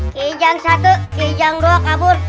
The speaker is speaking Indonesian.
kijang satu kijang dua kabur